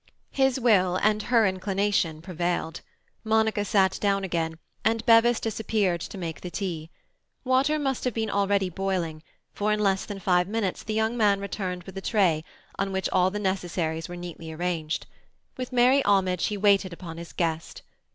His will, and her inclination, prevailed. Monica sat down again, and Bevis disappeared to make the tea. Water must have been already boiling, for in less than five minutes the young man returned with a tray, on which all the necessaries were neatly arranged. With merry homage he waited upon his guest.